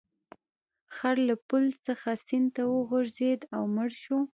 خر له پل څخه سیند ته وغورځید او مړ شو.